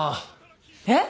えっ？